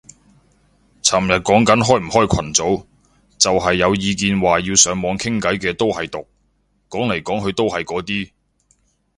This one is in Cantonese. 尋日講緊開唔開群組，就係有意見話要上網傾偈嘅都係毒，講嚟講去都係嗰啲